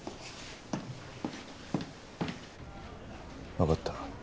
わかった。